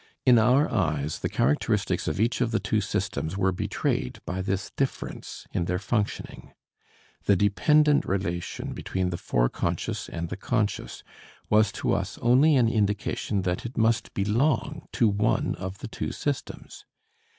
In our eyes the characteristics of each of the two systems were betrayed by this difference in their functioning. The dependent relation between the fore conscious and the conscious was to us only an indication that it must belong to one of the two systems.